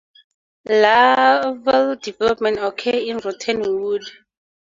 Larval development occur in rotten wood.